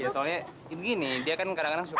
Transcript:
soalnya begini dia kan kadang kadang suka